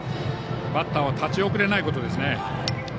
バッターは立ち遅れないことですね。